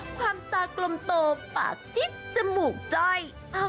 ความตากลมโตปากจิ๊กจมูกจ้อย